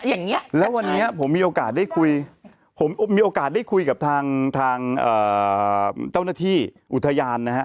อย่างเงี้ยแล้ววันนี้ผมมีโอกาสได้คุยผมมีโอกาสได้คุยกับทางทางเจ้าหน้าที่อุทยานนะฮะ